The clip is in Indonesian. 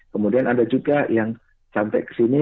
kemudian ada juga yang sampai kesini